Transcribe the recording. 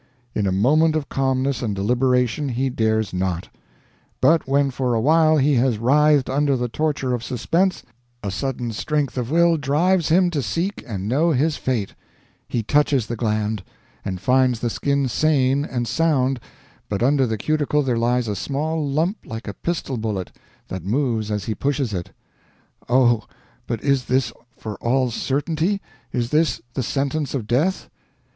in a moment of calmness and deliberation he dares not; but when for a while he has writhed under the torture of suspense, a sudden strength of will drives him to seek and know his fate; he touches the gland, and finds the skin sane and sound but under the cuticle there lies a small lump like a pistol bullet, that moves as he pushes it. Oh! but is this for all certainty, is this the sentence of death?